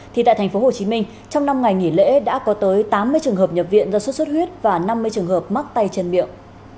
thì tại tp hcm trong năm ngày nghỉ lễ đã có tới tám mươi trường hợp nhập viện do xuất xuất huyết và năm mươi trường hợp mắc tay chân miệng